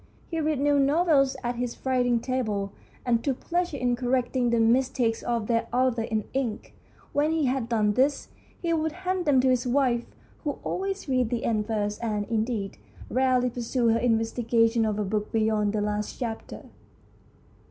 He read new novels at his writing table, and took pleasure in correcting the mis takes of their authors in ink. When he had done this, he would hand them to his wife, who always read the end first, and, indeed, rarely pursued her investigation of a book beyond the last chapter.